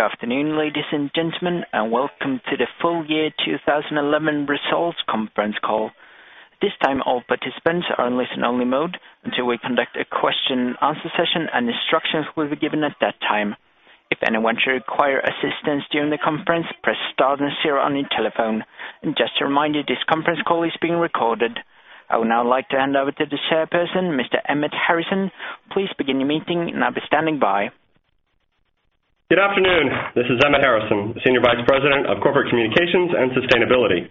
Good afternoon, ladies and gentlemen, and welcome to the full-year 2011 Results Conference call. At this time, all participants are in listen-only mode until we conduct a question-and-answer session, and instructions will be given at that time. If anyone should require assistance during the conference, press star and zero on your telephone. Just a reminder, this conference call is being recorded. I would now like to hand over to the Chairperson, Mr. Emmett Harrison. Please begin the meeting, and I'll be standing by. Good afternoon. This is Emmett Harrison, Senior Vice President of Corporate Communications and Sustainability.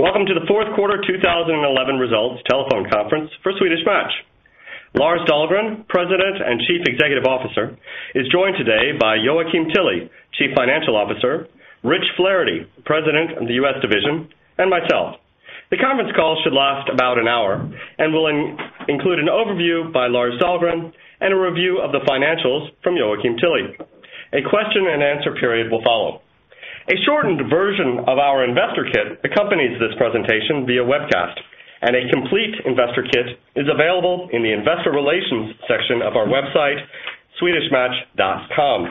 Welcome to the fourth quarter 2011 Results Telephone Conference for Swedish Match. Lars Dahlgren, President and Chief Executive Officer, is joined today by Joakim Tilly, Chief Financial Officer, Rich Flaherty, President of the US Division, and myself. The conference call should last about an hour and will include an overview by Lars Dahlgren and a review of the financials from Joakim Tilly. A question-and-answer period will follow. A shortened version of our investor kit, accompanies this presentation via webcast, and a complete investor kit is available in the investor relations section of our website, swedishmatch.com.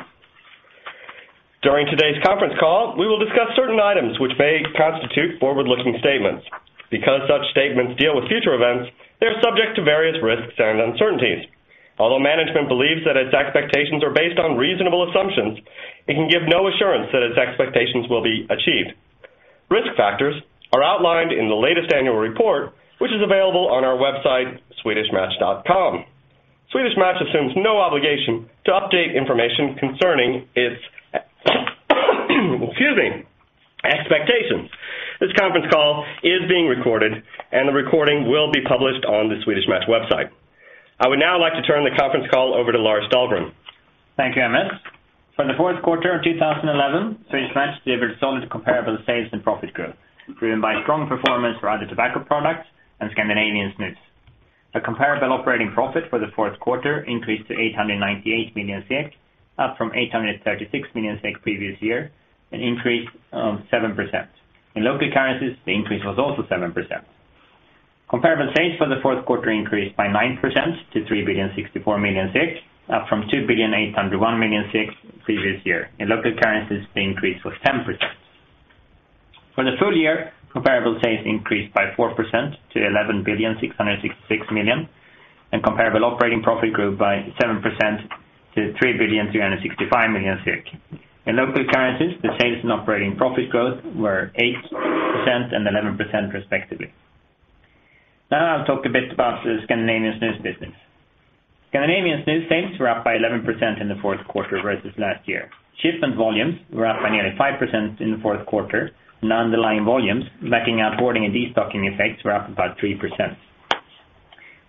During today's conference call, we will discuss certain items which may constitute forward-looking statements, because such statements deal with future events, they are subject to various risks and uncertainties. Although management believes that its expectations are based on reasonable assumptions, it can give no assurance that its expectations will be achieved. Risk factors are outlined in the latest annual report, which is available on our website, swedishmatch.com. Swedish Match assumes no obligation to update information concerning its expectations. This conference call is being recorded, and the recording will be published on the Swedish Match website. I would now like to turn the conference call over to Lars Dahlgren. Thank you, Emmett. For the fourth quarter of 2011, Swedish Match delivered solid comparable sales and profit growth, driven by strong performance for other tobacco products and Scandinavian snus. The comparable operating profit for the fourth quarter increased to 898 million SEK, up from 836 million SEK previous year, an increase of 7%. In local currencies, the increase was also 7%. Comparable sales for the fourth quarter increased by 9% to 3,064 million, up from 2,801 million previous year. In local currencies, the increase was 10%. For the full year, comparable sales increased by 4% to 11,666 million, and comparable operating profit grew by 7% to 3,365 million. In local currencies, the sales and operating profit growth were 8% and 11%, respectively. Now I'll talk a bit about the Scandinavian snus business. Scandinavian snus sales were up by 11% in the fourth quarter versus last year. Shipment volumes were up by nearly 5% in the fourth quarter, and underlying volumes backing out hoarding and destocking effects were up about 3%.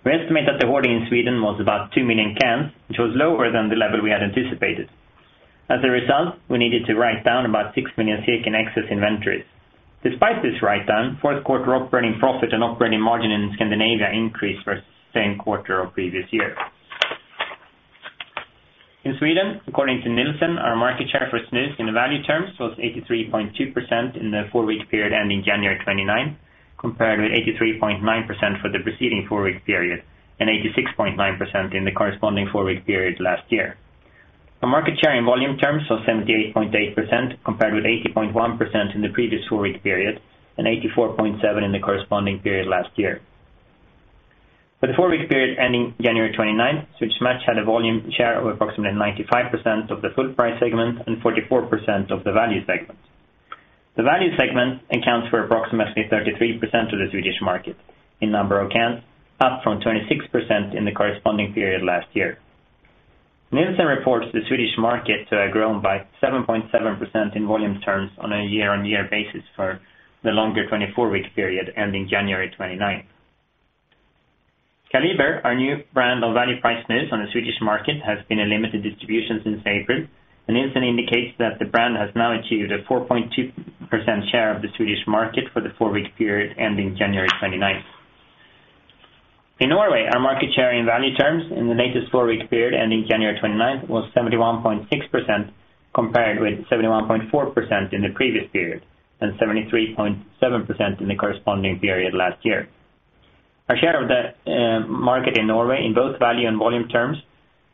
We estimate that the hoarding in Sweden was about 2 million cans, which was lower than the level we had anticipated. As a result, we needed to write down about 6 million in excess inventory. Despite this write-down, fourth quarter operating profit and operating margin in Scandinavia increased versus the same quarter of the previous year. In Sweden, according to Nielsen, our market share for snus in value terms was 83.2% in the four-week period ending January 29, compared with 83.9% for the preceding four-week period and 86.9% in the corresponding four-week period last year. Our market share in volume terms was 78.8%, compared with 80.1% in the previous four-week period and 84.7% in the corresponding period last year. For the four-week period ending January 29, Swedish Match had a volume share of approximately 95% of the full price segment and 44% of the value segment. The value segment accounts for approximately 33% of the Swedish market in number of cans, up from 26% in the corresponding period last year. Nielsen reports the Swedish market to have grown by 7.7% in volume terms on a year-on-year basis for the longer 24-week period ending January 29. Kaliber, our new brand low-value price snus on the Swedish market, has been in limited distribution since April, and Nilsson indicates that the brand has now achieved a 4.2% share of the Swedish market for the four-week period ending January 29. In Norway, our market share in value terms in the latest four-week period ending January 29 was 71.6%, compared with 71.4% in the previous period and 73.7% in the corresponding period last year. Our share of the market in Norway in both value and volume terms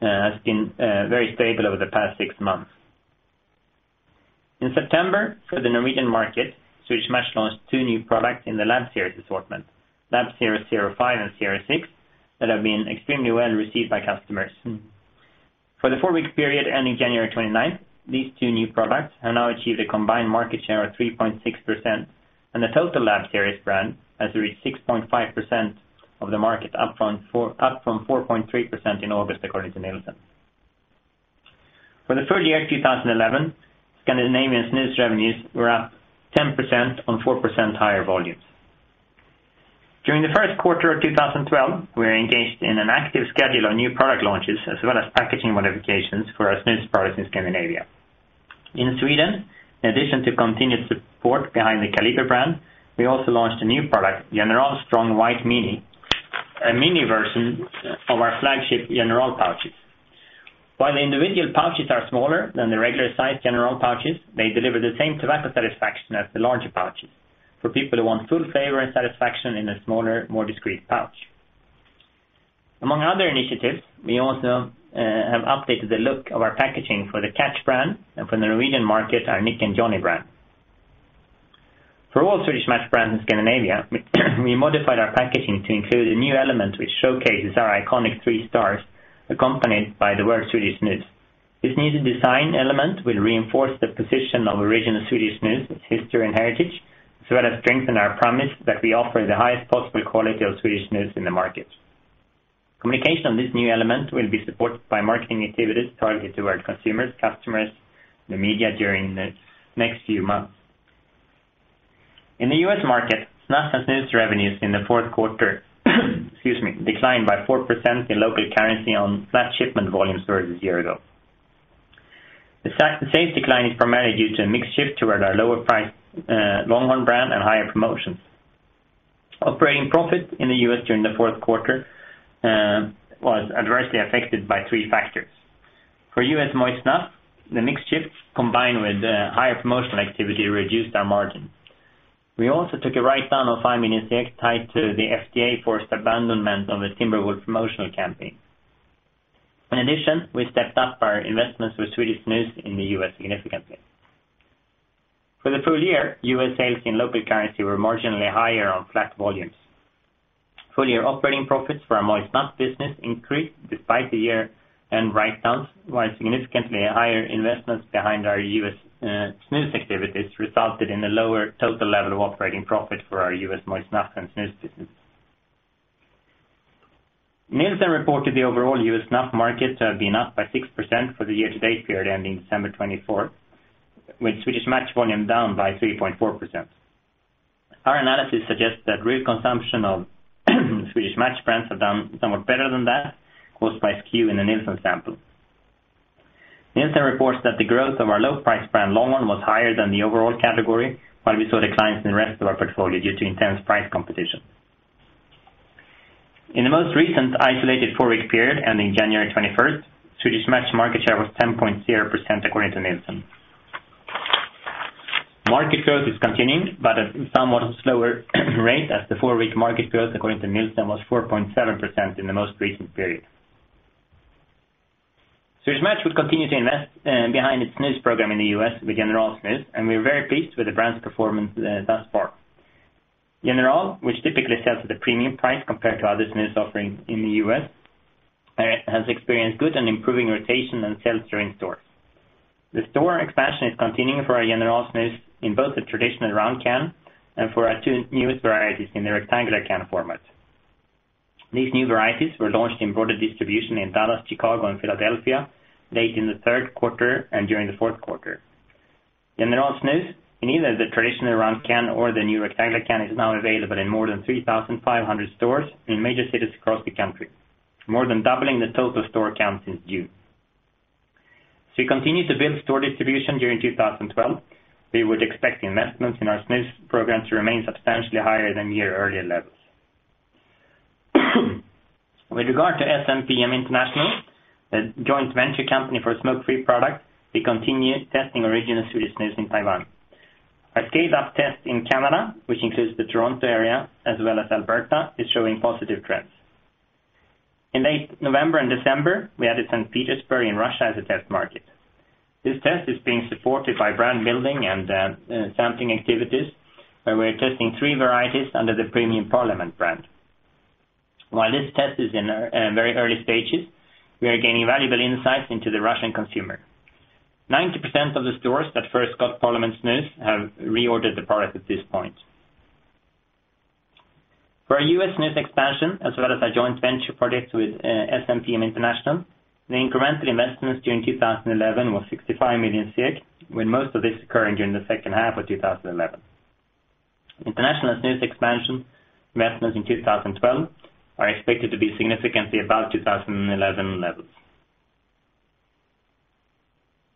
has been very stable over the past six months. In September, for the Norwegian market, Swedish Match launched two new products in the Lab Series assortment, Lab Series 05 and 06, that have been extremely well received by customers. For the four-week period ending January 29, these two new products have now achieved a combined market share of 3.6%, and the total Lab Series brand has reached 6.5% of the market, up from 4.3% in August, according to Nilsson. For the full year 2011, Scandinavian snus revenues were up 10% on 4% higher volumes. During the first quarter of 2012, we were engaged in an active schedule of new product launches, as well as packaging modifications for our snus products in Scandinavia. In Sweden, in addition to continued support behind the Kaliber brand, we also launched a new product, General Strong White Mini, a mini version of our flagship General pouches. While the individual pouches are smaller than the regular-sized General pouches, they deliver the same tobacco satisfaction as the larger pouches for people who want full flavor and satisfaction in a smaller, more discreet pouch. Among other initiatives, we also have updated the look of our packaging for the Catch brand and for the Norwegian market, our Nick and Johnny brand. For all Swedish Match brands in Scandinavia, we modified our packaging to include a new element which showcases our iconic three stars, accompanied by the word Swedish Snus. This new design element will reinforce the position of original Swedish Snus' history and heritage, as well as strengthen our promise that we offer the highest possible quality of Swedish Snus in the market. Communication on this new element will be supported by marketing activities targeted toward consumers, customers, and the media during the next few months. In the U.S. market, snus and snuff revenues in the fourth quarter declined by 4% in local currency on flat shipment volumes versus a year ago. The sales decline is primarily due to a mix shift toward our lower-priced Longhorn brand and higher promotions. Operating profit in the U.S. during the fourth quarter was adversely affected by three factors. For U.S. moist snuff, the mix shifts combined with higher promotional activity reduced our margin. We also took a write-down of $5 million tied to the FDA forced abandonment of the Timberwolves promotional campaign. In addition, we stepped up our investments for Swedish snus in the U.S. significantly. For the full year, U.S. sales in local currency were marginally higher on flat volumes. Full-year operating profits for our moist snuff business increased despite the year-end write-downs, while significantly higher investments behind our U.S. snus activities resulted in a lower total level of operating profit for our U.S. moist snuff and snus business. Nilsson reported the overall U.S. snuff market to have been up by 6% for the year-to-date period ending December 24, with Swedish Match volume down by 3.4%. Our analysis suggests that real consumption of Swedish Match brands has done somewhat better than that, mostly by skew in the Nilsson sample. Nilsson reports that the growth of our low-priced brand Longhorn was higher than the overall category, while we saw declines in the rest of our portfolio due to intense price competition. In the most recent isolated four-week period ending January 21, Swedish Match market share was 10.0%, according to Nilsson. Market growth is continuing, but at a somewhat slower rate as the four-week market growth, according to Nilsson, was 4.7% in the most recent period. Swedish Match would continue to invest behind its snus program in the U.S. with General Snus, and we're very pleased with the brand's performance thus far. General, which typically sells at a premium price compared to other snus offerings in the U.S., has experienced good and improving rotation and sales during store. The store expansion is continuing for our General Snus in both the traditional round can and for our two new varieties in the rectangular can format. These new varieties were launched in broader distribution in Dallas, Chicago, and Philadelphia late in the third quarter and during the fourth quarter. General Snus, in either the traditional round can or the new rectangular can, is now available in more than 3,500 stores in major cities across the country, more than doubling the total store count since June. As we continue to build store distribution during 2012, we would expect investments in our snus program to remain substantially higher than year earlier levels. With regard to SNPM International, the joint venture company for smoke-free products, we continue testing original Swedish snus in Taiwan. Our scaled-up test in Canada, which includes the Toronto area as well as Alberta, is showing positive trends. In late November and December, we added St. Petersburg in Russia as a test market. This test is being supported by brand building and sampling activities, where we're testing three varieties under the premium Parliament brand. While this test is in very early stages, we are gaining valuable insights into the Russian consumer. 90% of the stores that first got Parliament snus have reordered the product at this point. For our U.S. snus expansion, as well as our joint venture projects with SNPM International, the incremental investments during 2011 were 65 million, with most of this occurring during the second half of 2011. International snus expansion investments in 2012 are expected to be significantly above 2011 levels.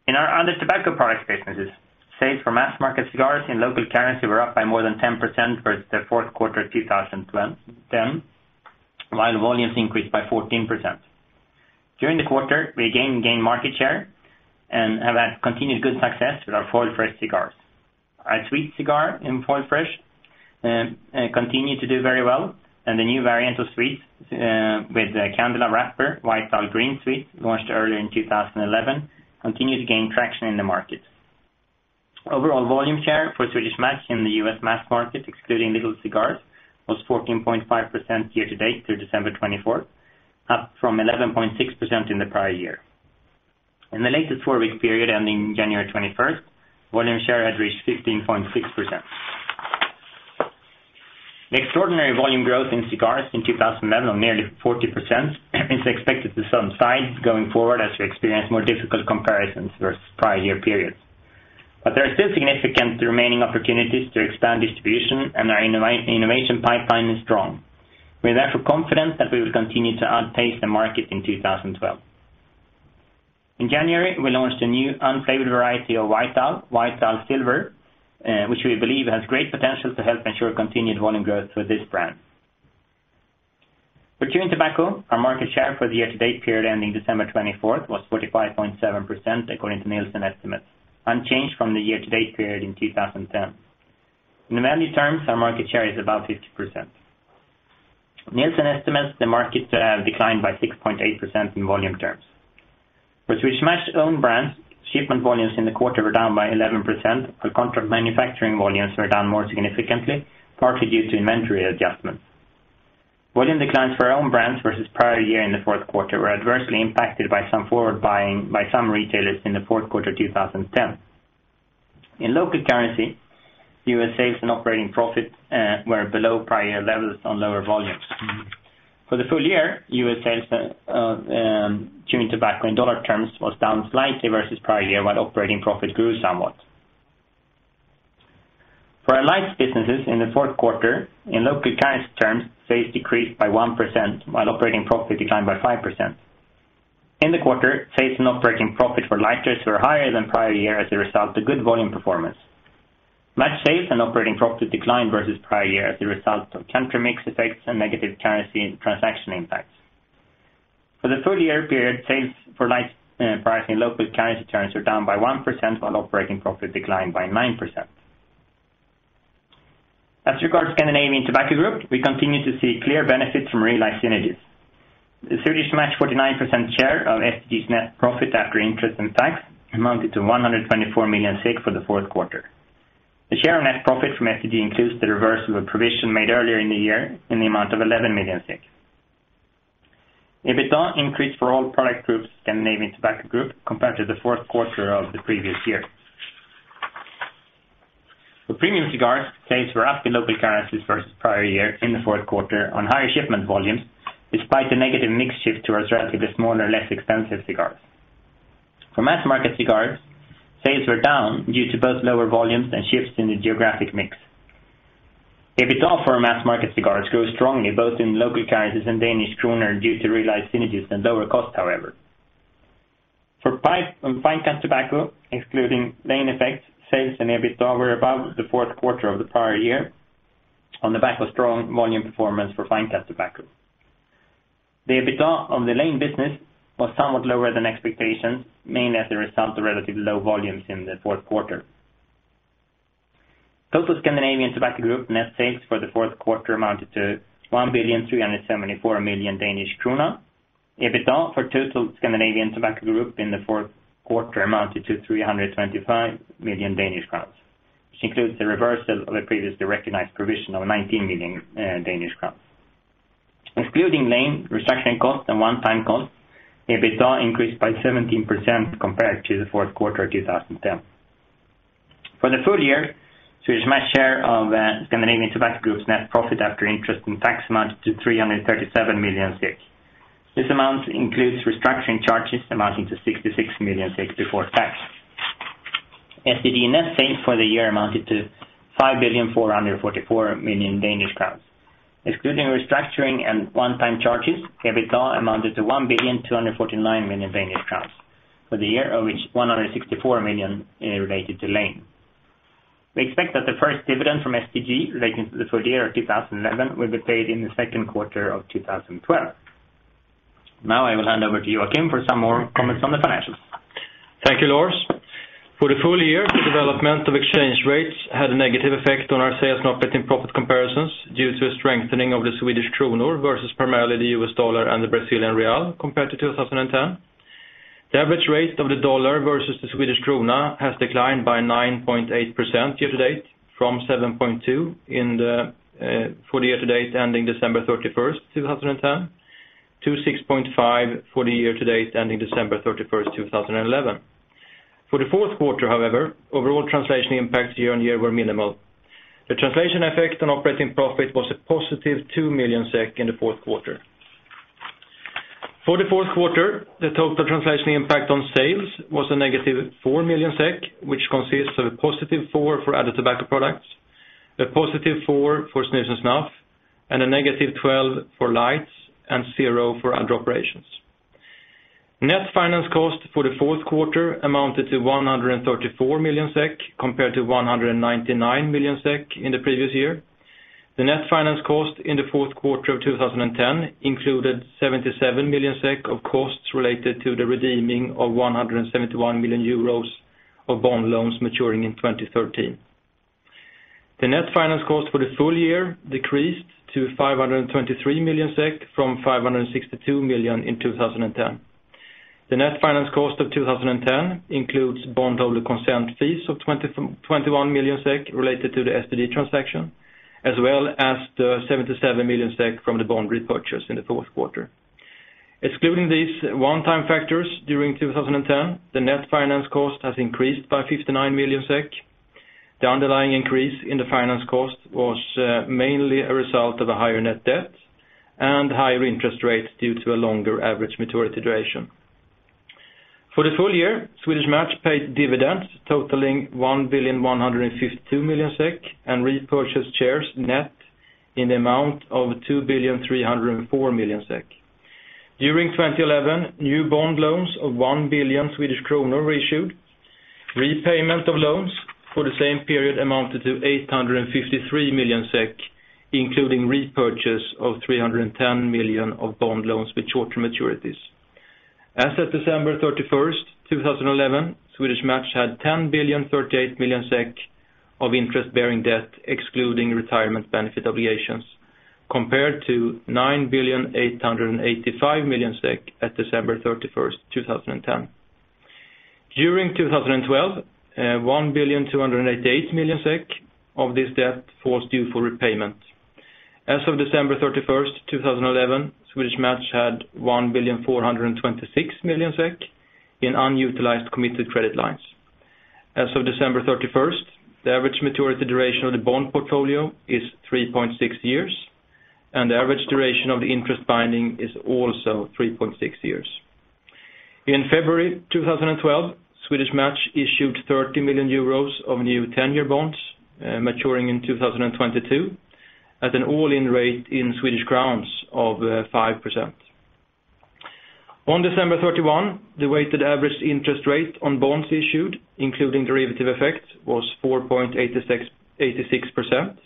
In our other tobacco products businesses, sales for mass-market cigars in local currency were up by more than 10% for the fourth quarter of 2012, while volumes increased by 14%. During the quarter, we again gained market share and have had continued good success with our Foil Fresh cigars. Our sweet cigar in Foil Fresh continues to do very well, and the new variant of sweets with the Candela Wrapper White Dahl Green Sweet, launched earlier in 2011, continues to gain traction in the market. Overall volume share for Swedish Match in the U.S. mass market, excluding little cigars, was 14.5% year-to-date through December 24, up from 11.6% in the prior year. In the latest four-week period ending January 21, volume share had reached 15.6%. The extraordinary volume growth in cigars in 2011, nearly 40%, is expected to subside going forward as we experience more difficult comparisons versus prior year periods. There are still significant remaining opportunities to expand distribution, and our innovation pipeline is strong. We're therefore confident that we will continue to outpace the market in 2012. In January, we launched a new unflavored variety of White Dahl, White Dahl Silver, which we believe has great potential to help ensure continued volume growth for this brand. For chewing tobacco, our market share for the year-to-date period ending December 24 was 45.7%, according to Nielsen estimates, unchanged from the year-to-date period in 2010. In value terms, our market share is above 50%. Nielsen estimates the market to have declined by 6.8% in volume terms. For Swedish Match-owned brands, shipment volumes in the quarter were down by 11%, while contract manufacturing volumes were down more significantly, partly due to inventory adjustments. Volume declines for our own brands versus prior year in the fourth quarter were adversely impacted by some forward buying by some retailers in the fourth quarter of 2010. In local currency, U.S. sales and operating profit were below prior levels on lower volumes. For the full year, U.S. sales of chewing tobacco in dollar terms was down slightly versus prior year, while operating profit grew somewhat. For our lights business in the fourth quarter, in local currency terms, sales decreased by 1%, while operating profit declined by 5%. In the quarter, sales and operating profit for lighters were higher than prior year as a result of good volume performance. Match sales and operating profit declined versus prior year as a result of country mix effects and negative currency transaction impacts. For the full year period, sales for lights priced in local currency terms were down by 1%, while operating profit declined by 9%. As regards to Scandinavian Tobacco Group, we continue to see clear benefits from real licenses. The Swedish Match 49% share of STG's net profit after interest and tax amounted to 124 million for the fourth quarter. The share of net profit from STG includes the reversal of a provision made earlier in the year in the amount of 11 million. EBITDA increased for all product groups in Scandinavian Tobacco Group compared to the fourth quarter of the previous year. For premium cigars, sales were up in local currencies versus prior year in the fourth quarter on higher shipment volumes, despite the negative mix shift towards relatively smaller, less expensive cigars. For mass-market cigars, sales were down due to both lower volumes and shifts in the geographic mix. EBITDA for mass-market cigars grew strongly both in local currencies and Danish kronor due to real licenses and lower costs, however. For fine-cut tobacco, excluding lane effects, sales and EBITDA were above the fourth quarter of the prior year on the back of strong volume performance for fine-cut tobacco. The EBITDA of the lights business was somewhat lower than expectations, mainly as a result of relatively low volumes in the fourth quarter. Total Scandinavian Tobacco Group net sales for the fourth quarter amounted to 1.374 billion Danish krone. EBITDA for total Scandinavian Tobacco Group in the fourth quarter amounted to 325 million Danish crowns, which includes the reversal of a previously recognized provision of 19 million Danish crowns. Excluding lights restructuring cost and one-time cost, EBITDA increased by 17% compared to the fourth quarter of 2010. For the full year, Swedish Match share of Scandinavian Tobacco Group's net profit after interest and tax amounted to 337 million SEK. This amount includes restructuring charges amounting to 66 million SEK before tax. STG net sales for the year amounted to 5.444 billion Danish crowns. Excluding restructuring and one-time charges, EBITDA amounted to 1.249 billion Danish crowns for the year, of which 164 million related to lights. We expect that the first dividend from STG relating to the full year of 2011 will be paid in the second quarter of 2012. Now I will hand over to Joakim for some more comments on the financials. Thank you, Lars. For the full year, the development of exchange rates had a negative effect on our sales and operating profit comparisons due to a strengthening of the Swedish krona versus primarily the U.S. dollar and the Brazilian real compared to 2010. The average rate of the dollar versus the Swedish krona has declined by 9.8% year-to-date from 7.2 for the year-to-date ending December 31, 2010, to 6.5 for the year-to-date ending December 31, 2011. For the fourth quarter, however, overall translation impacts year-on-year were minimal. The translation effect on operating profit was a positive 2 million SEK in the fourth quarter. For the fourth quarter, the total translation impact on sales was a negative 4 million SEK, which consists of a positive 4 million for other tobacco products, a positive 4 million for snus and snuff, a negative 12 million for lights, and 0 for other operations. Net finance cost for the fourth quarter amounted to 134 million SEK compared to 199 million SEK in the previous year. The net finance cost in the fourth quarter of 2010 included 77 million SEK of costs related to the redeeming of 171 million euros of bond loans maturing in 2013. The net finance cost for the full year decreased to 523 million SEK from 562 million in 2010. The net finance cost of 2010 includes bondholder consent fees of 21 million SEK related to the STG transaction, as well as the 77 million SEK from the bond repurchase in the fourth quarter. Excluding these one-time factors during 2010, the net finance cost has increased by 59 million SEK. The underlying increase in the finance cost was mainly a result of a higher net debt and higher interest rates due to a longer average maturity duration. For the full year, Swedish Match paid dividends totaling 1,152 million SEK and repurchased shares net in the amount of 2,304 million SEK. During 2011, new bond loans of 1 billion Swedish kronor were issued. Repayment of loans for the same period amounted to 853 million SEK, including repurchase of 310 million of bond loans with shorter maturities. As of December 31, 2011, Swedish Match had 10,038 million SEK of interest-bearing debt, excluding retirement benefit obligations, compared to 9,885 million SEK at December 31, 2010. During 2012, 1,288 million SEK of this debt falls due for repayment. As of December 31, 2011, Swedish Match had 1,426 million SEK in unutilized committed credit lines. As of December 31, the average maturity duration of the bond portfolio is 3.6 years, and the average duration of the interest binding is also 3.6 years. In February 2012, Swedish Match issued €30 million of new 10-year bonds maturing in 2022 at an all-in rate in Swedish crowns of 5%. On December 31, the weighted average interest rate on bonds issued, including derivative effect, was 4.86%,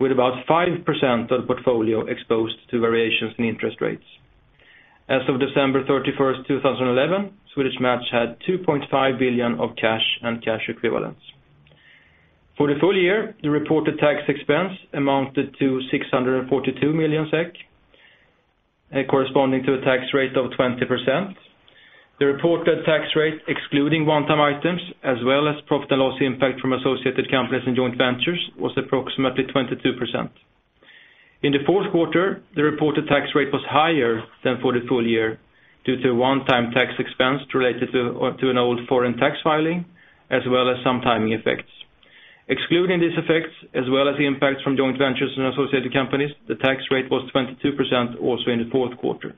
with about 5% of the portfolio exposed to variations in interest rates. As of December 31, 2011, Swedish Match had 2.5 billion of cash and cash equivalents. For the full year, the reported tax expense amounted to 642 million SEK, corresponding to a tax rate of 20%. The reported tax rate, excluding one-time items, as well as profit and loss impact from associated companies and joint ventures, was approximately 22%. In the fourth quarter, the reported tax rate was higher than for the full year due to a one-time tax expense related to an old foreign tax filing, as well as some timing effects. Excluding these effects, as well as the impact from joint ventures and associated companies, the tax rate was 22% also in the fourth quarter.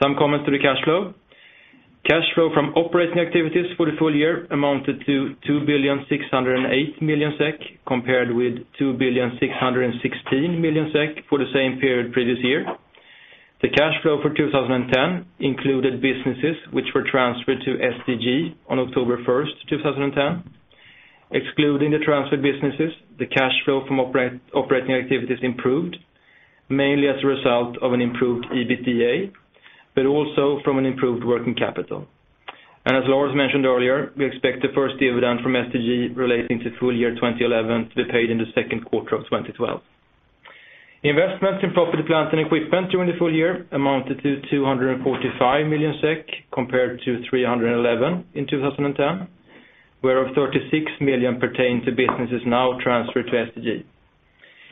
Some comments to the cash flow. Cash flow from operating activities for the full year amounted to 2,608 million SEK compared with 2,616 million SEK for the same period previous year. The cash flow for 2010 included businesses which were transferred to STG on October 1, 2010. Excluding the transferred businesses, the cash flow from operating activities improved, mainly as a result of an improved EBITDA, but also from an improved working capital. As Lars mentioned earlier, we expect the first dividend from STG relating to full year 2011 to be paid in the second quarter of 2012. Investments in property, plants, and equipment during the full year amounted to 245 million SEK compared to 311 million in 2010, where 36 million pertained to businesses now transferred to STG.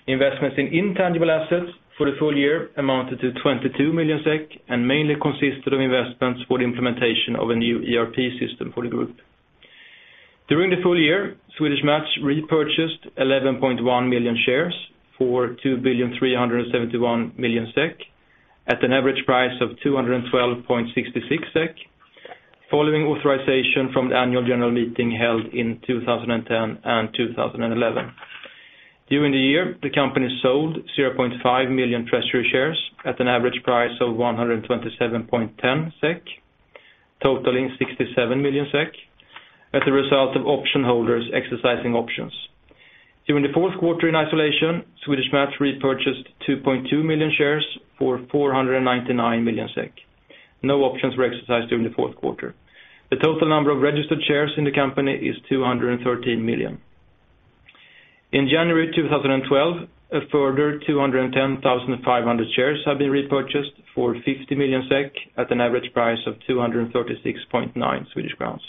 Investments in intangible assets for the full year amounted to 22 million SEK and mainly consisted of investments for the implementation of a new ERP system for the group. During the full year, Swedish Match repurchased 11.1 million shares for 2,371 million SEK at an average price of 212.66 SEK, following authorization from the annual general meeting held in 2010 and 2011. During the year, the company sold 0.5 million treasury shares at an average price of 127.10 SEK, totaling 67 million SEK, as a result of option holders exercising options. During the fourth quarter in isolation, Swedish Match repurchased 2.2 million shares for 499 million SEK. No options were exercised during the fourth quarter. The total number of registered shares in the company is 213 million. In January 2012, a further 210,500 shares have been repurchased for 50 million SEK at an average price of 236.9 Swedish crowns.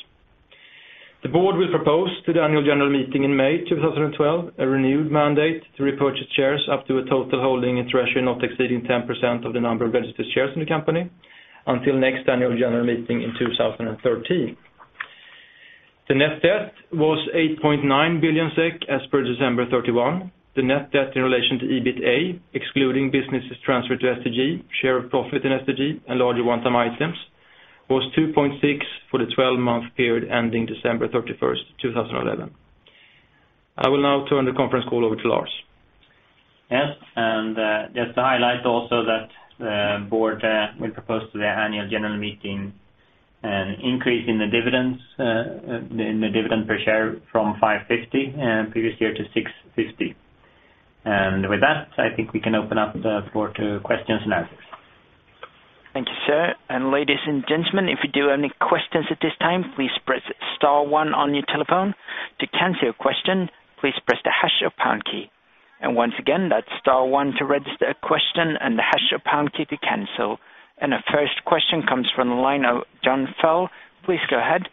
The board will propose to the Annual General Meeting in May 2012 a renewed mandate to repurchase shares up to a total holding in treasury not exceeding 10% of the number of registered shares in the company until next Annual General Meeting in 2013. The net debt was 8.9 billion SEK as per December 31. The net debt in relation to EBITDA excluding businesses transferred to STG, share of profit in STG, and larger one-time items was 2.6 for the 12-month period ending December 31, 2011. I will now turn the conference call over to Lars. Yes, and just to highlight also that the Board will propose to the Annual General Meeting an increase in the dividend per share from 5.50 previous year to 6.50. With that, I think we can open up the floor to questions and answers. Thank you, sir. And ladies and gentlemen, if you do have any questions at this time, please press star one on your telephone. To cancel your question, please press the hash or pound key. Once again, that's star one to register a question and the hash or pound key to cancel. Our first question comes from the line of Jon Fell. Please go ahead.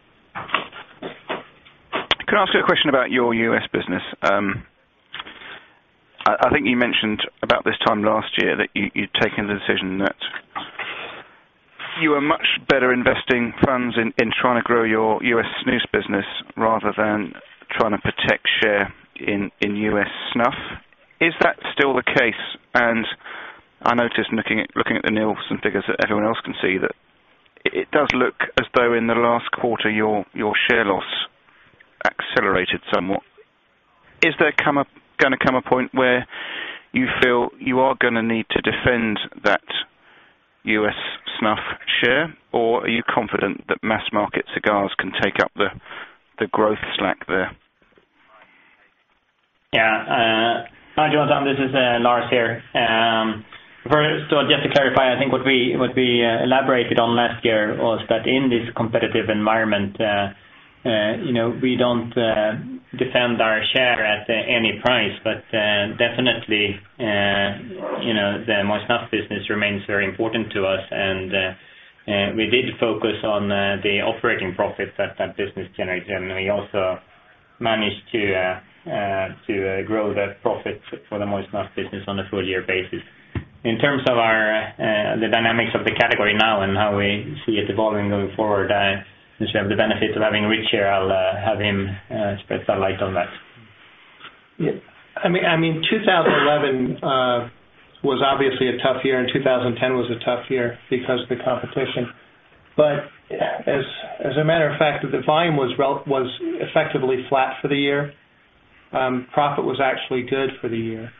Could I ask you a question about your U.S. business? I think you mentioned about this time last year that you'd taken the decision that you were much better investing funds in trying to grow your U.S. snus business rather than trying to protect share in U.S. snuff. Is that still the case? I noticed looking at the Nielsen figures that everyone else can see that it does look as though in the last quarter your share loss accelerated somewhat. Is there going to come a point where you feel you are going to need to defend that U.S. snuff share, or are you confident that mass-market cigars can take up the growth slack there? Yeah, I do understand. This is Lars here. First, just to clarify, I think what we elaborated on last year was that in this competitive environment, you know, we don't defend our share at any price, but definitely, you know, the moist snuff business remains very important to us. We did focus on the operating profits that that business generated, and we also managed to grow the profits for the moist snuff business on a full-year basis. In terms of the dynamics of the category now and how we see it evolving going forward, you have the benefit of having Rich share. I'll have him spread some light on that. Yeah, I mean, 2011 was obviously a tough year and 2010 was a tough year because of the competition. As a matter of fact, the volume was effectively flat for the year. Profit was actually good for the year.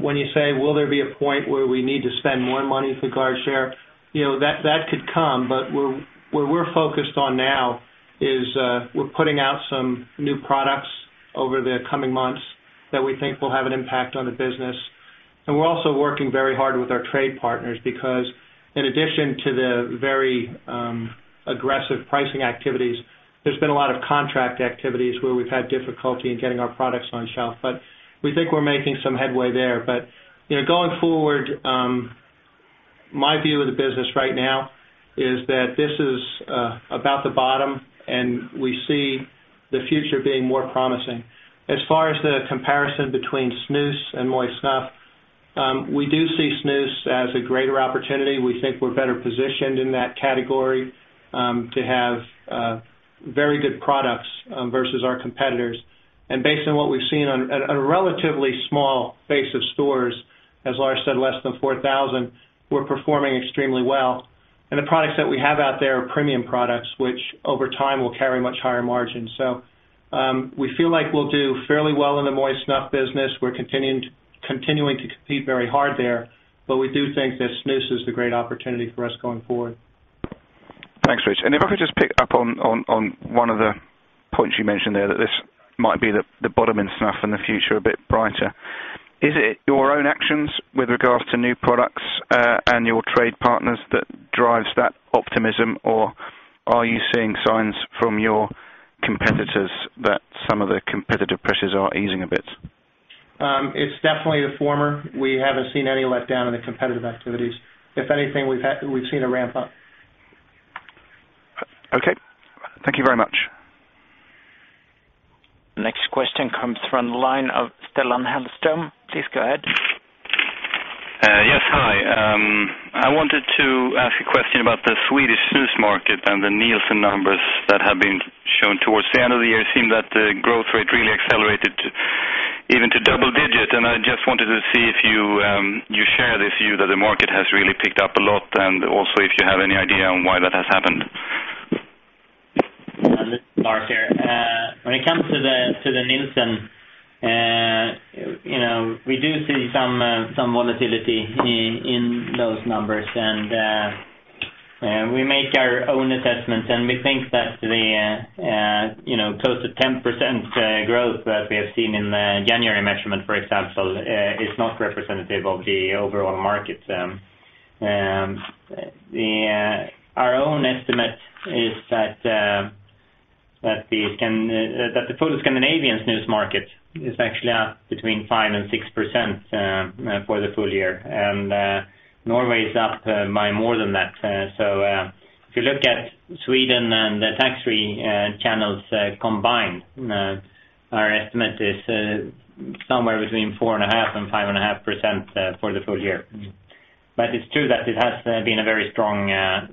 When you say, will there be a point where we need to spend more money for guard share, you know, that could come, but where we're focused on now is we're putting out some new products over the coming months that we think will have an impact on the business. We're also working very hard with our trade partners because in addition to the very aggressive pricing activities, there's been a lot of contract activities where we've had difficulty in getting our products on shelf. We think we're making some headway there. Going forward, my view of the business right now is that this is about the bottom and we see the future being more promising. As far as the comparison between snus and moist snuff, we do see snus as a greater opportunity. We think we're better positioned in that category to have very good products versus our competitors. Based on what we've seen on a relatively small base of stores, as Lars said, less than 4,000, we're performing extremely well. The products that we have out there are premium products, which over time will carry much higher margins. We feel like we'll do fairly well in the moist snuff business. We're continuing to compete very hard there, but we do think that snus is the great opportunity for us going forward. Thanks, Rich. If I could just pick up on one of the points you mentioned there, that this might be the bottom in snuff and the future a bit brighter. Is it your own actions with regards to new products and your trade partners that drive that optimism, or are you seeing signs from your competitors that some of the competitive pressures are easing a bit? It's definitely the former. We haven't seen any letdown in the competitive activities. If anything, we've seen a ramp-up. Okay, thank you very much. Next question comes from the line of Stellan Hellström. Please go ahead. Yeah, hi. I wanted to ask a question about the Swedish snus market and the Nielsen numbers that have been shown towards the end of the year. It seemed that the growth rate really accelerated even to double digits. I just wanted to see if you share this view that the market has really picked up a lot and also if you have any idea on why that has happened. Yeah, Lars here. When it comes to the Nielsen, you know, we do see some volatility in those numbers. We make our own assessments, and we think that the, you know, close to 10% growth that we have seen in the January measurement, for example, is not representative of the overall market. Our own estimate is that the full Scandinavian snus market is actually up between 5% and 6% for the full year. Norway is up by more than that. If you look at Sweden and the tax-free channels combined, our estimate is somewhere between 4.5% and 5.5% for the full year. It's true that it has been a very strong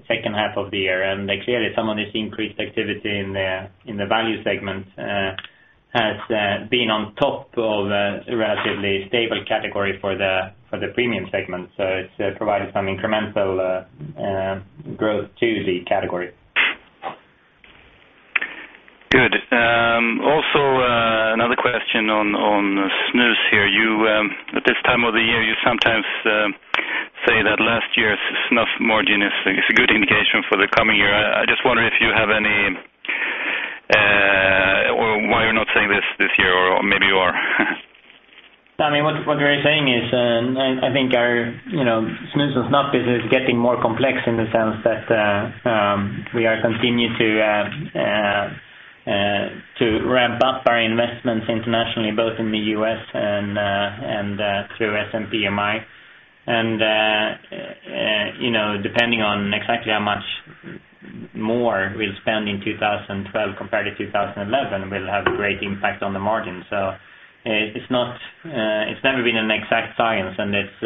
second half of the year. Clearly, some of this increased activity in the value segment has been on top of a relatively stable category for the premium segment. It's provided some incremental growth to the category. Good. Also, another question on snus here. At this time of the year, you sometimes say that last year's snuff margin is a good indication for the coming year. I just wonder if you have any, or why you're not saying this this year, or maybe you are. No, I mean, what we're saying is, I think our snus and snuff business is getting more complex in the sense that we are continuing to ramp up our investments internationally, both in the U.S. and through SNPM International. Depending on exactly how much more we'll spend in 2012 compared to 2011, we'll have a great impact on the margin. It's not, it's never been an exact science, and it's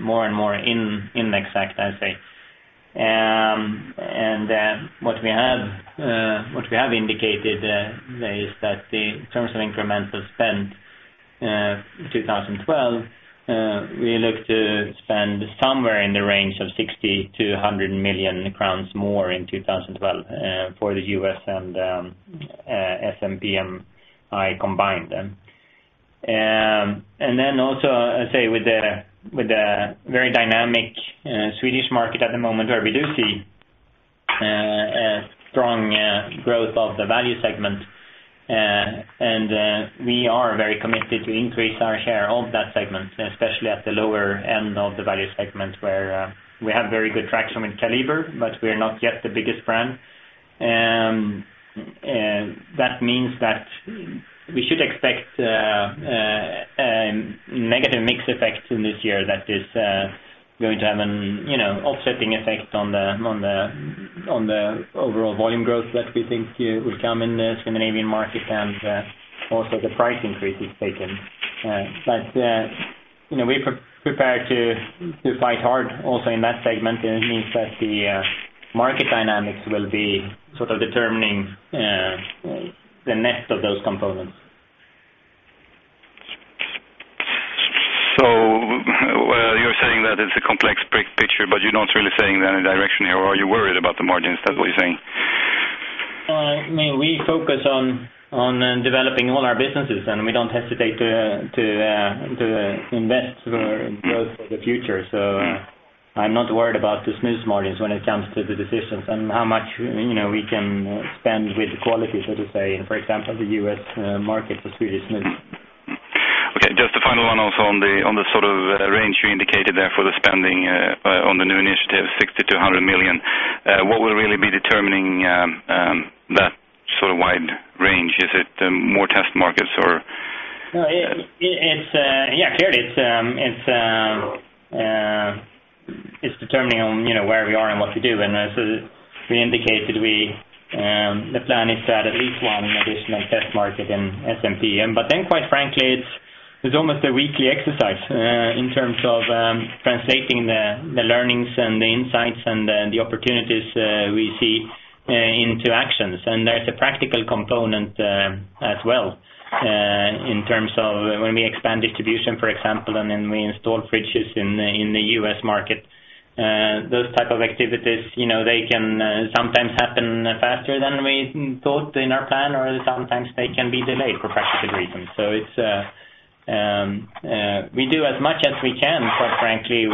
more and more inexact, I'd say. What we have indicated is that in terms of incremental spend in 2012, we look to spend somewhere in the range of 60 million crowns to 100 million crowns more in 2012 for the U.S. and SNPM International combined. Also, I'd say with the very dynamic Swedish market at the moment, where we do see a strong growth of the value segment, we are very committed to increase our share of that segment, especially at the lower end of the value segment, where we have very good traction with Kaliber, but we're not yet the biggest brand. That means that we should expect a negative mix effect in this year that is going to have an offsetting effect on the overall volume growth that we think will come in the Scandinavian market and also the price increases taken. We're prepared to fight hard also in that segment. It means that the market dynamics will be sort of determining the nest of those components. You're saying that it's a complex picture, but you're not really saying that in a direction here, or are you worried about the margins? That's what you're saying. I mean, we focus on developing all our businesses, and we don't hesitate to invest for the future. I'm not worried about the snus margins when it comes to the decisions and how much, you know, we can spend with the quality, so to say. For example, the U.S. market was really snus. Okay, just the final one, also on the sort of range you indicated there for the spending on the new initiative, $60 to $100 million. What will really be determining that sort of wide range? Is it more test markets or? Yeah, sure, it's determining on, you know, where we are and what we do. As we indicated, the plan is to add at least one additional test market in SNPM International. Quite frankly, it's almost a weekly exercise in terms of translating the learnings and the insights and the opportunities we see into actions. There's a practical component as well in terms of when we expand distribution, for example, and then we install fridges in the U.S. market. Those types of activities, you know, they can sometimes happen faster than we thought in our plan, or sometimes they can be delayed for practical reasons. We do as much as we can, quite frankly,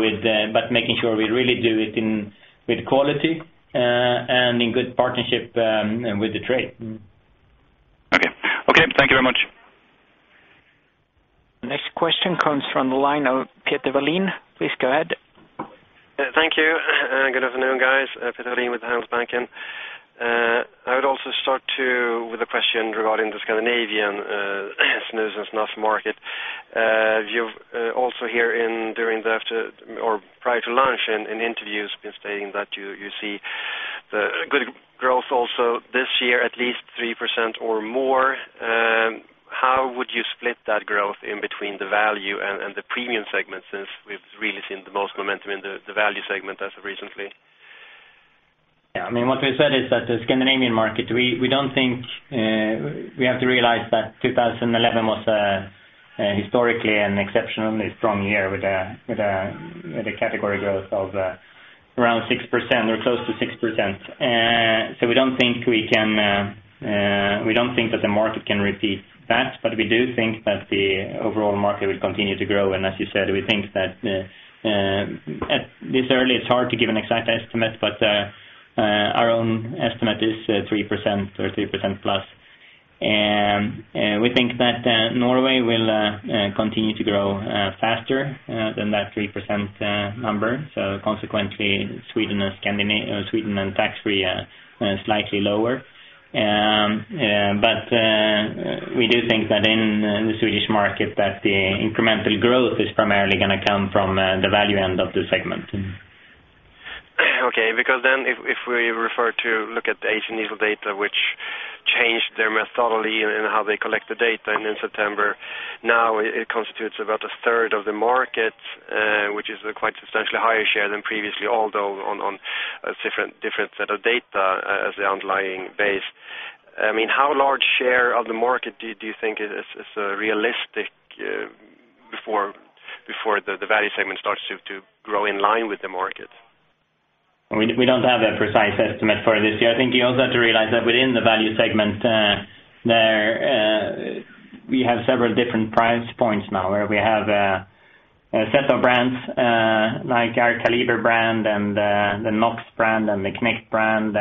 but making sure we really do it with quality and in good partnership with the trade. Okay, thank you very much. Next question comes from the line of Peter Wallin. Please go ahead. Thank you. Good afternoon, guys. Peter Wallin with the Handelsbanken. I would also start with a question regarding the Scandinavian snus and snuff market. You've also here during the after or prior to lunch in interviews been stating that you see the good growth also this year, at least 3% or more. How would you split that growth in between the value and the premium segment since we've really seen the most momentum in the value segment as of recently? Yeah, I mean, what we said is that the Scandinavian market, we don't think we have to realize that 2011 was historically an exceptionally strong year with a category growth of around 6% or close to 6%. We don't think that the market can repeat that, but we do think that the overall market will continue to grow. As you said, we think that this early, it's hard to give an exact estimate, but our own estimate is 3% or 3% plus. We think that Norway will continue to grow faster than that 3% number. Consequently, Sweden and tax-free are slightly lower. We do think that in the Swedish market the incremental growth is primarily going to come from the value end of the segment. Okay, because if we refer to look at the Asian diesel data, which changed their methodology in how they collect the data in September, now it constitutes about a third of the market, which is a quite substantially higher share than previously, although on a different set of data as the underlying base. I mean, how large share of the market do you think is realistic before the value segment starts to grow in line with the market? We don't have a precise estimate for this year. I think you also have to realize that within the value segment, we have several different price points now where we have several brands like our Kaliber brand and the Knox brand and the Knecht brand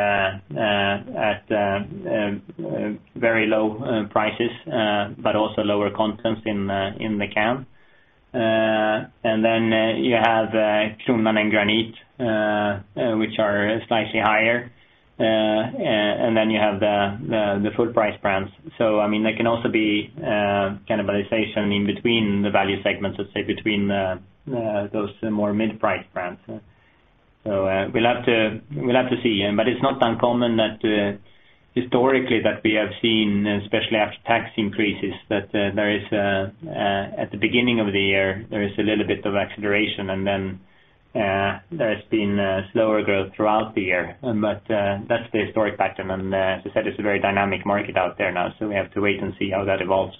at very low prices, but also lower contents in the can. You have Krumman and Granit, which are slightly higher. You have the full price brands. There can also be cannibalization in between the value segments, let's say, between those more mid-price brands. We'll have to see. It's not uncommon that historically we have seen, especially after tax increases, that at the beginning of the year, there is a little bit of acceleration, and then there's been slower growth throughout the year. That's the historic pattern. As I said, it's a very dynamic market out there now. We have to wait and see how that evolves.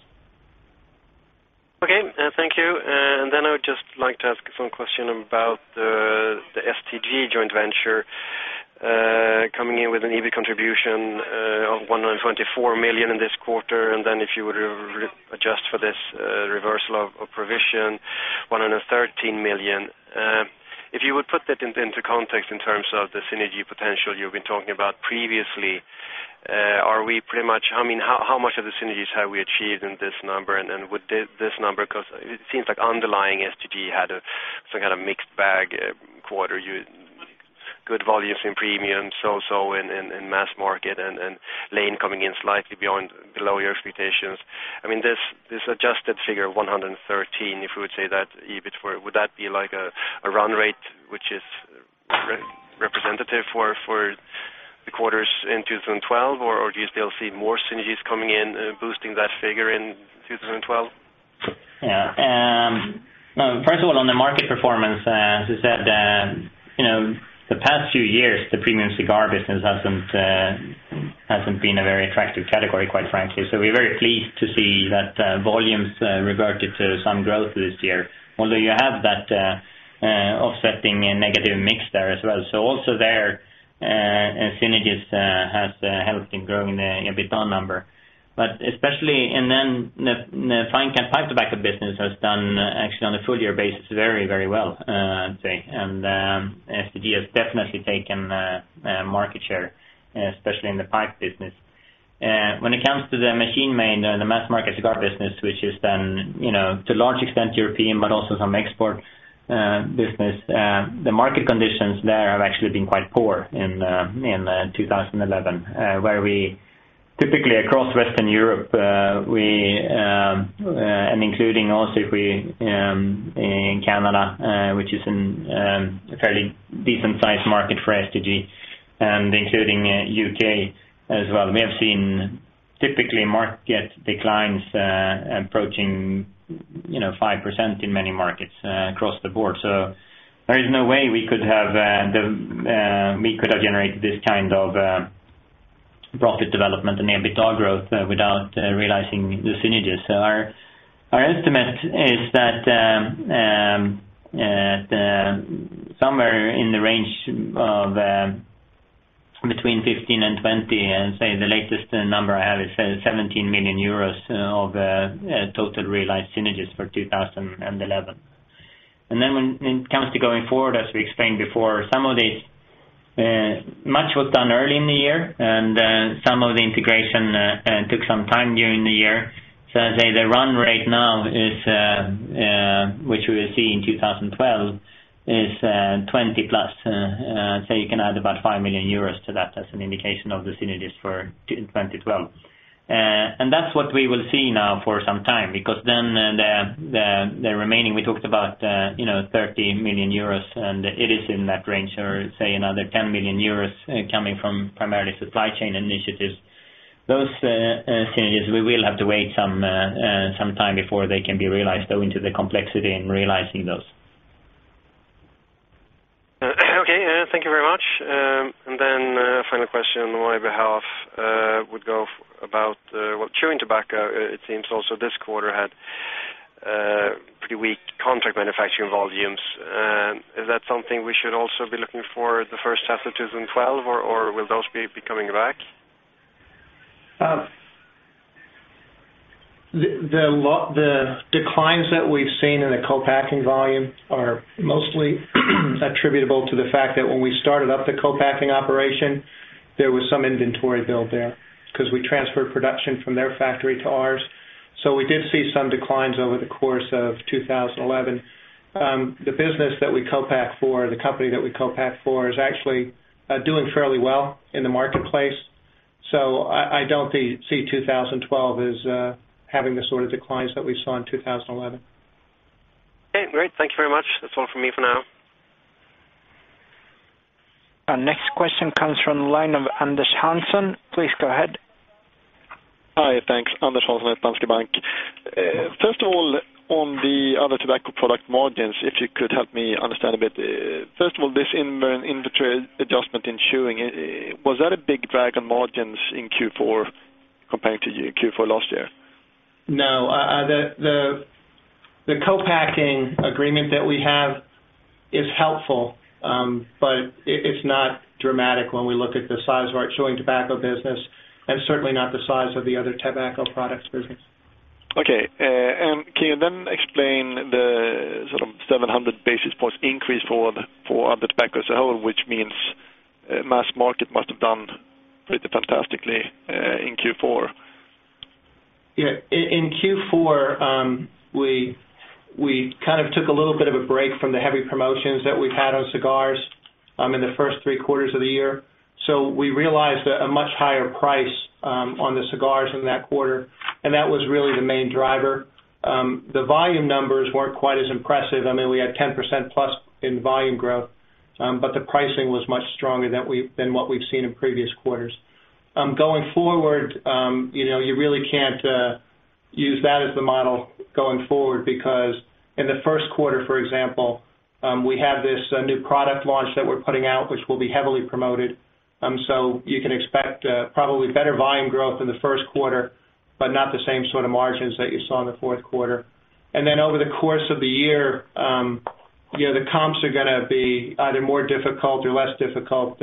Okay, thank you. I would just like to ask a follow-up question about the STG joint venture coming in with an EBIT contribution of $124 million in this quarter. If you would adjust for this reversal of provision, $113 million. If you would put that into context in terms of the synergy potential you've been talking about previously, are we pretty much, I mean, how much of the synergies have we achieved in this number? Would this number, because it seems like underlying STG had some kind of mixed bag quarter, good volumes in premium, so-so in mass market, and lane coming in slightly below your expectations. This adjusted figure of $113 million, if we would say that EBIT, would that be like a run rate which is representative for the quarters in 2012, or do you still see more synergies coming in boosting that figure in 2012? Yeah, first of all, on the market performance, as I said, the past few years, the premium cigar business hasn't been a very attractive category, quite frankly. We're very pleased to see that volumes reverted to some growth this year, although you have that offsetting negative mix there as well. Also there, synergies have helped in growing the EBITDA number. Especially, the fine-cut pipe tobacco business has done actually on a full-year basis very, very well, I'd say. STG has definitely taken market share, especially in the pipe business. When it comes to the machine-made and the mass-market cigar business, which is then, to a large extent European, but also some export business, the market conditions there have actually been quite poor in 2011, where we typically across Western Europe, and including also if we in Canada, which is a fairly decent size market for STG, and including the UK as well, we have seen typically market declines approaching 5% in many markets across the board. There is no way we could have generated this kind of profit development and EBITDA growth without realizing the synergies. Our estimate is that somewhere in the range of between 15 and 20, and the latest number I have is €17 million of total realized synergies for 2011. When it comes to going forward, as we explained before, some of the much was done early in the year, and some of the integration took some time during the year. I'd say the run rate now is, which we will see in 2012, is 20 plus. I'd say you can add about €5 million to that as an indication of the synergies for 2012. That's what we will see now for some time, because then the remaining we talked about, €30 million, and it is in that range, or another €10 million coming from primarily supply chain initiatives. Those synergies, we will have to wait some time before they can be realized though due to the complexity in realizing those. Okay, thank you very much. A final question on my behalf would go about chewing tobacco. It seems also this quarter had pretty weak contract manufacturing volumes. Is that something we should also be looking for the first half of 2012, or will those be coming back? The declines that we've seen in the co-packing volume are mostly attributable to the fact that when we started up the co-packing operation, there was some inventory build there because we transferred production from their factory to ours. We did see some declines over the course of 2011. The business that we co-pack for, the company that we co-pack for, is actually doing fairly well in the marketplace. I don't see 2012 as having the sort of declines that we saw in 2011. Okay, great. Thank you very much. That's all from me for now. Our next question comes from the line of Anders Hansson. Please go ahead. Hi, thanks. Anders Hansson at Danske Bank. First of all, on the other tobacco product margins, if you could help me understand a bit, first of all, this inventory adjustment in chewing, was that a big drag on margins in Q4 compared to Q4 last year? No, the co-packing agreement that we have is helpful, but it's not dramatic when we look at the size of our chewing tobacco business and certainly not the size of the other tobacco products business. Okay, can you then explain the sort of 700 basis points increase for the tobacco as a whole, which means mass market must have done pretty fantastically in Q4? Yeah, in Q4, we kind of took a little bit of a break from the heavy promotions that we've had on cigars in the first three quarters of the year. We realized a much higher price on the cigars in that quarter, and that was really the main driver. The volume numbers weren't quite as impressive. I mean, we had 10% plus in volume growth, but the pricing was much stronger than what we've seen in previous quarters. Going forward, you really can't use that as the model going forward because in the first quarter, for example, we have this new product launch that we're putting out, which will be heavily promoted. You can expect probably better volume growth in the first quarter, but not the same sort of margins that you saw in the fourth quarter. Over the course of the year, the comps are going to be either more difficult or less difficult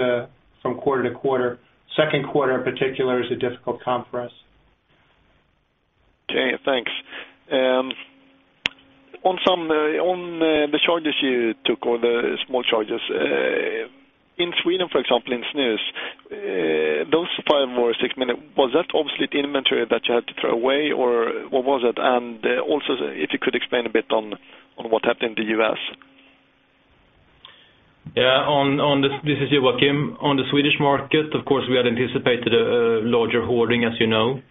from quarter to quarter. Second quarter, in particular, is a difficult comp for us. Okay, thanks. On the charges you took, or the small charges, in Sweden, for example, in snus, those $5 or $6 million, was that obsolete inventory that you had to throw away, or what was it? If you could explain a bit on what happened in the U.S. Yeah, this is Joakim. On the Swedish market, of course, we had anticipated a larger hoarding, as you know,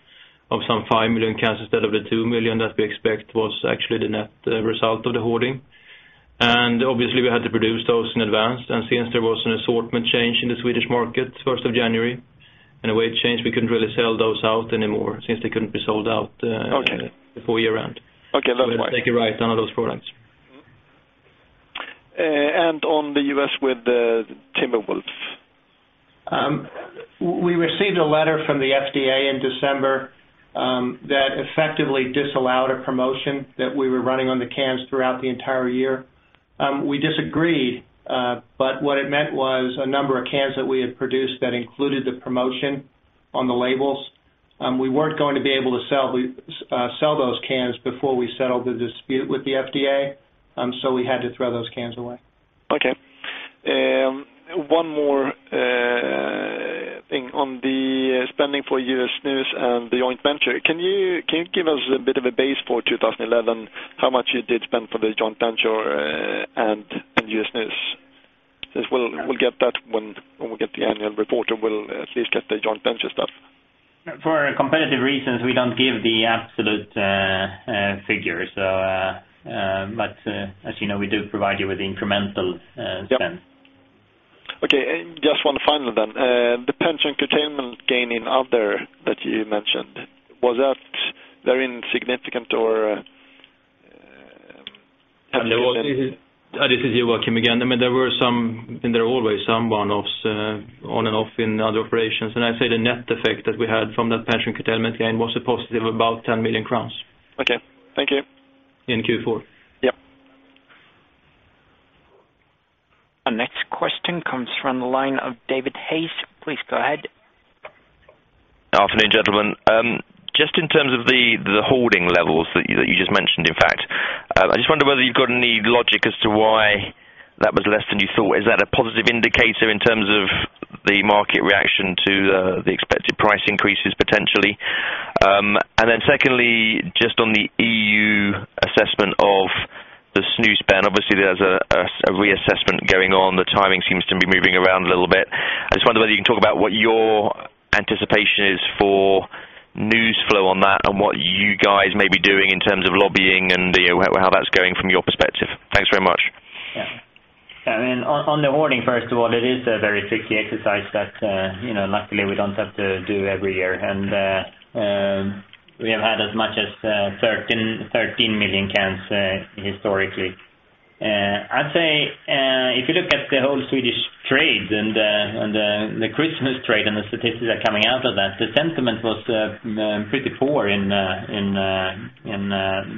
of some $5 million cans instead of the $2 million that we expect was actually the net result of the hoarding. Obviously, we had to produce those in advance. Since there was an assortment change in the Swedish market, January 1, and a weight change, we couldn't really sell those out anymore since they couldn't be sold out before year end. Okay, that's fine. We had to take a write-down of those products. On the U.S. with Swedish Match. We received a letter from the FDA in December that effectively disallowed a promotion that we were running on the cans throughout the entire year. We disagreed, but what it meant was a number of cans that we had produced that included the promotion on the labels, we weren't going to be able to sell those cans before we settled the dispute with the FDA. We had to throw those cans away. Okay. One more thing on the spending for U.S. snuff and the joint venture. Can you give us a bit of a base for 2011, how much you did spend for the joint venture and U.S. snuff? We'll get that when we get the annual report and we'll at least get the joint venture stuff. For competitive reasons, we don't give the absolute figures, but as you know, we do provide you with incremental spend. Okay, just one final then. The pension containment gain in other that you mentioned, was that very insignificant or? Hello, this is Joakim again. There were some, and there are always some one-offs on and off in other operations. I'd say the net effect that we had from that pension containment gain was a positive of about 10 million crowns. Okay, thank you. In Q4. Yep. Our next question comes from the line of David Hayes. Please go ahead. Afternoon, gentlemen. Just in terms of the hoarding levels that you just mentioned, I just wonder whether you've got any logic as to why that was less than you thought. Is that a positive indicator in terms of the market reaction to the expected price increases potentially? Secondly, just on the EU assessment of the snus spend, obviously there's a reassessment going on. The timing seems to be moving around a little bit. I just wonder whether you can talk about what your anticipation is for news flow on that and what you guys may be doing in terms of lobbying and how that's going from your perspective. Thanks very much. Yeah. I mean, on the hoarding, first of all, it is a very tricky exercise that, you know, luckily we don't have to do every year. We have had as much as 13 million cans historically. I'd say if you look at the whole Swedish trade and the Christmas trade and the statistics that are coming out of that, the sentiment was pretty poor in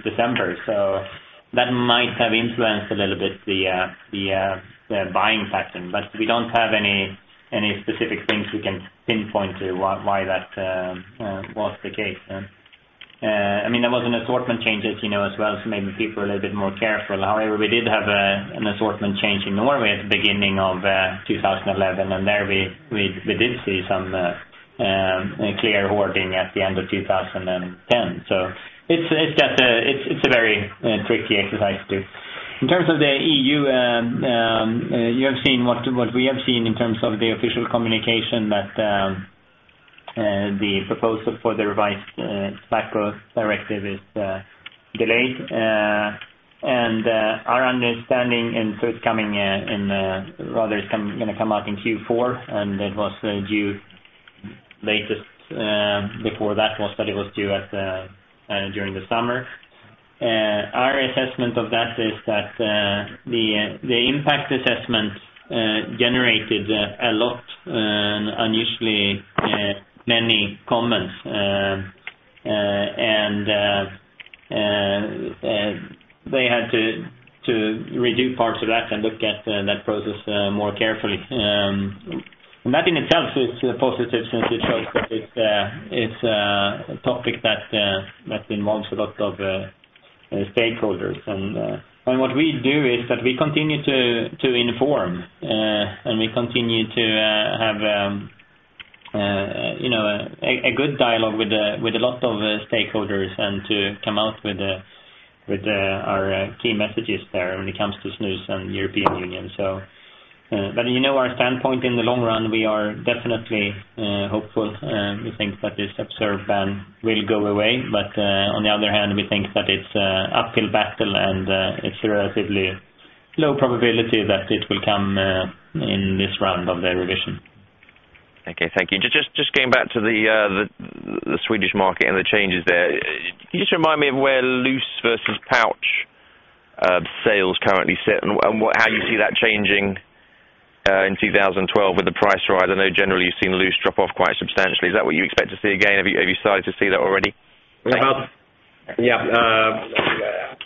December. That might have influenced a little bit the buying pattern. We don't have any specific things we can pinpoint to why that was the case. I mean, there was an assortment change, as you know, as well, so maybe people are a little bit more careful. However, we did have an assortment change in Norway at the beginning of 2011, and there we did see some clear hoarding at the end of 2010. It's just a very tricky exercise to do. In terms of the EU, you have seen what we have seen in terms of the official communication that the proposal for the revised tobacco directive is delayed. Our understanding, and first coming in, rather is going to come out in Q4, and it was due latest before that was that it was due during the summer. Our assessment of that is that the impact assessment generated a lot, unusually many comments. They had to redo parts of that and look at that process more carefully. That in itself is positive since it shows that it's a topic that involves a lot of stakeholders. What we do is that we continue to inform, and we continue to have, you know, a good dialogue with a lot of stakeholders and to come out with our key messages there when it comes to snus and the European Union. You know, our standpoint in the long run, we are definitely hopeful. We think that this absurd ban will go away. On the other hand, we think that it's an uphill battle, and it's a relatively low probability that it will come in this round of the revision. Okay, thank you. Just going back to the Swedish market and the changes there, can you just remind me of where loose versus pouch sales currently sit and how you see that changing in 2012 with the price rise? I know generally you've seen loose drop off quite substantially. Is that what you expect to see again? Have you started to see that already? Yeah,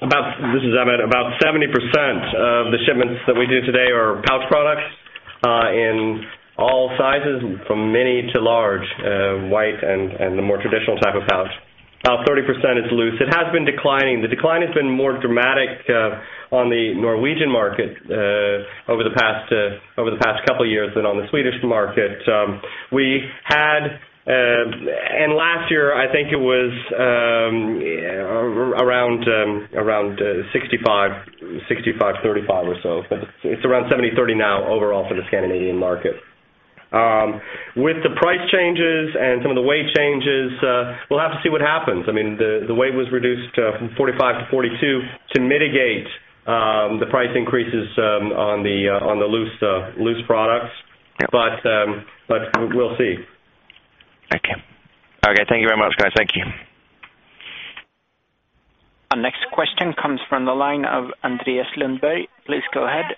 about 70% of the shipments that we do today are pouch products in all sizes, from mini to large, white, and the more traditional type of pouch. About 30% is loose. It has been declining. The decline has been more dramatic on the Norwegian market over the past couple of years than on the Swedish market. Last year I think it was around 65%, 65 to 35 or so. It's around 70-30 now overall for the Scandinavian market. With the price changes and some of the weight changes, we'll have to see what happens. The weight was reduced from 45 to 42 to mitigate the price increases on the loose products. We'll see. Okay, thank you very much, guys. Thank you. Our next question comes from the line of Andreas Lundberg. Please go ahead.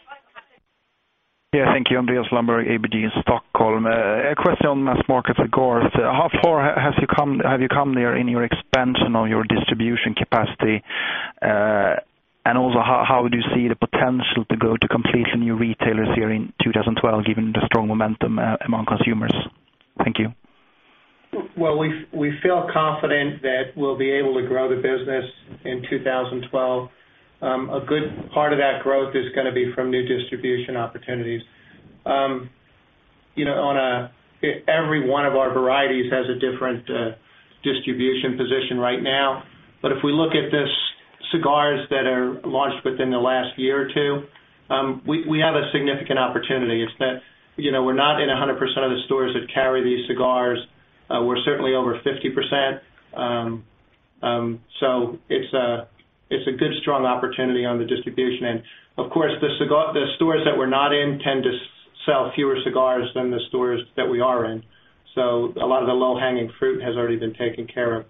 Thank you. Andreas Lundberg, ABG Stockholm. A question on mass market regards. How far have you come there in your expansion of your distribution capacity? Also, how would you see the potential to go to complete new retailers here in 2012, given the strong momentum among consumers? Thank you. We feel confident that we'll be able to grow the business in 2012. A good part of that growth is going to be from new distribution opportunities. You know, every one of our varieties has a different distribution position right now. If we look at these cigars that are launched within the last year or two, we have a significant opportunity. It's that, you know, we're not in 100% of the stores that carry these cigars. We're certainly over 50%. It's a good strong opportunity on the distribution end. Of course, the stores that we're not in tend to sell fewer cigars than the stores that we are in. A lot of the low-hanging fruit has already been taken care of.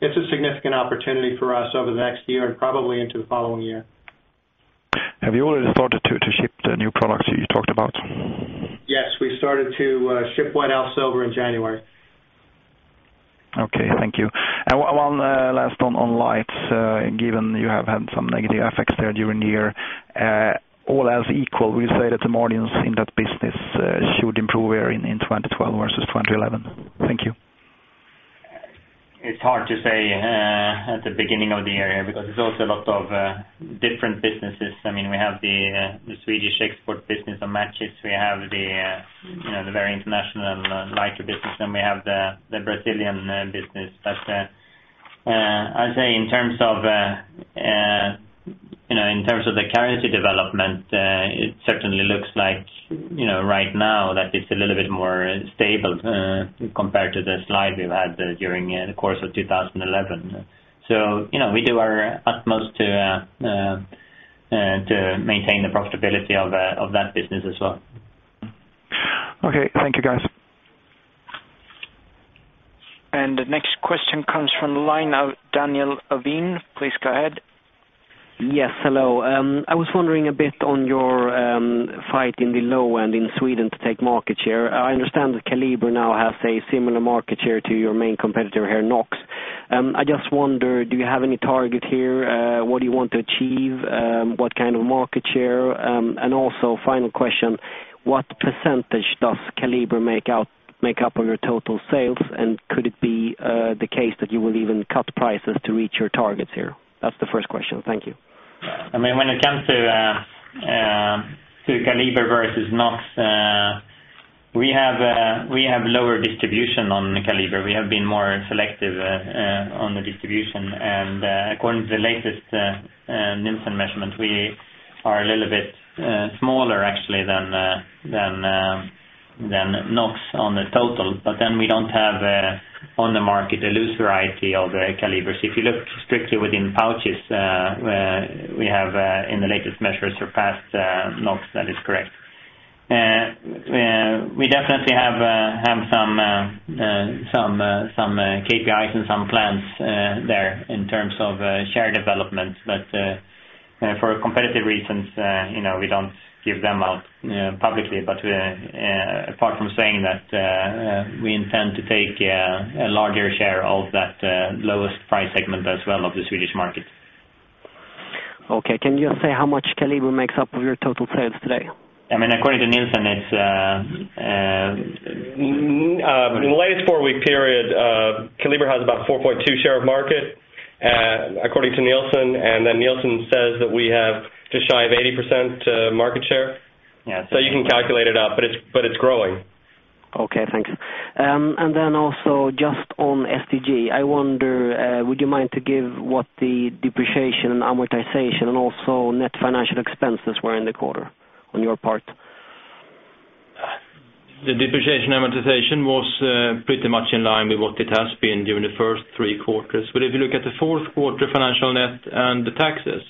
It's a significant opportunity for us over the next year and probably into the following year. Have you already started to ship the new products that you talked about? Yes, we started to ship White Elf Silver in January. Okay, thank you. One last one on lights, given you have had some negative effects there during the year. All else equal, would you say that the margins in that business should improve here in 2012 versus 2011? Thank you. It's hard to say at the beginning of the year because there's also a lot of different businesses. We have the Swedish export business on matches, the very international lighter business, and the Brazilian business. I'd say in terms of the currency development, it certainly looks like right now that it's a little bit more stable compared to the slide we've had during the course of 2011. We do our utmost to maintain the profitability of that business as well. Okay, thank you guys. The next question comes from the line of Daniel Ovin. Please go ahead. Yes, hello. I was wondering a bit on your fight in the low end in Sweden to take market share. I understand that Kaliber now has a similar market share to your main competitor here, Knox. I just wonder, do you have any target here? What do you want to achieve? What kind of market share? Also, final question, what % does Kaliber make up of your total sales? Could it be the case that you will even cut prices to reach your targets here? That's the first question. Thank you. I mean, when it comes to Kaliber versus Knox, we have lower distribution on Kaliber. We have been more selective on the distribution. According to the latest Nielsen measurement, we are a little bit smaller actually than Knox on the total. We don't have on the market a loose variety of Kaliber. If you look strictly within pouches, we have in the latest measures surpassed Knox. That is correct. We definitely have some KPIs and some plans there in terms of share development. For competitive reasons, you know, we don't give them out publicly. Apart from saying that we intend to take a larger share of that lowest price segment as well of the Swedish market. Okay, can you say how much Kaliber makes up of your total sales today? According to Nielsen, in the latest four-week period, Kaliber has about 4.2% share of market according to Nielsen. Nielsen says that we have just shy of 80% market share. You can calculate it out, but it's growing. Okay, thanks. Also, just on STG, I wonder, would you mind to give what the depreciation and amortization and also net financial expenses were in the quarter on your part? The depreciation and amortization was pretty much in line with what it has been during the first three quarters. If you look at the fourth quarter financial net and the taxes,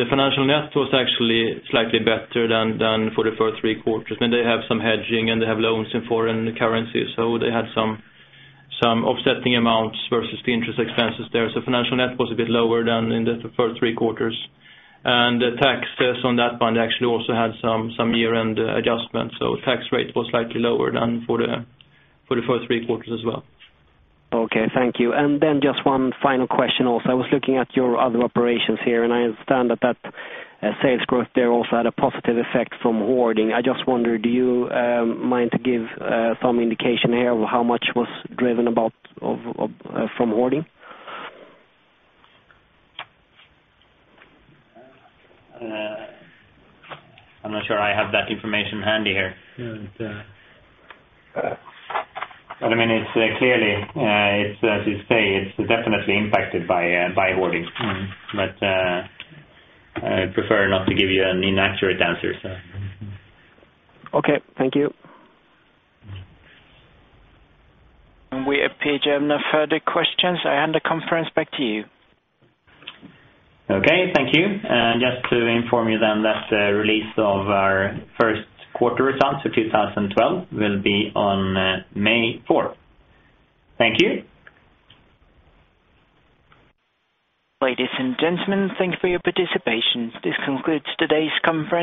the financial net was actually slightly better than for the first three quarters. They have some hedging and they have loans in foreign currency. They had some offsetting amounts versus the interest expenses there. The financial net was a bit lower than in the first three quarters. The taxes on that bond actually also had some year-end adjustments. The tax rate was slightly lower than for the first three quarters as well. Okay, thank you. Just one final question also. I was looking at your other operations here, and I understand that sales growth there also had a positive effect on hoarding. I just wonder, do you mind to give some indication here of how much was driven from hoarding? I'm not sure I have that information handy here. I mean, it's clearly, as you say, it's definitely impacted by hoarding. I prefer not to give you an inaccurate answer. Thank you. We have a page no further questions. I hand the conference back to you. Thank you. Just to inform you, the release of our first quarter results for 2012 will be on May 4. Thank you. Ladies and gentlemen, thank you for your participation. This concludes today's conference.